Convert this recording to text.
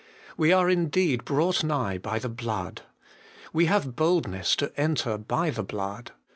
"We are indeed brought nigh by the blood. We have boldness to enter by the blood.